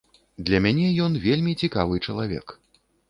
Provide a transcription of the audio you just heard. Для мене ён вельмі цікавы чалавек.